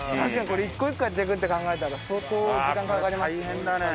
これ一個一個やっていくって考えたら相当時間かかりますね。